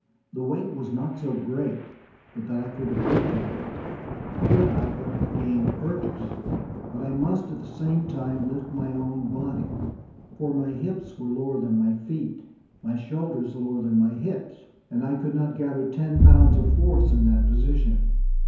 The weight was not so great but that I could have lifted it, could I but have gained purchase. But I must at the same time lift my own body, for my hips were lower than my feet, my shoulders lower than my hips; and I could not gather ten pounds of force in that position.